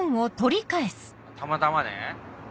たまたまね。